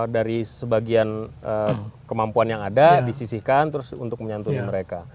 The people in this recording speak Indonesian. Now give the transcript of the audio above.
dari sebagian kemampuan yang ada disisihkan terus untuk menyantuni mereka